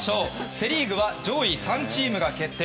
セ・リーグは上位３チームが決定。